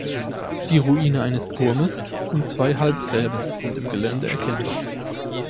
Die Ruine eines Turmes und zwei Halsgräben sind im Gelände erkennbar.